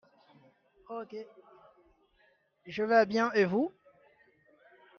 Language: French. Je vais bien et vous ?